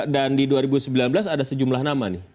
dan di dua ribu sembilan belas ada sejumlah nama nih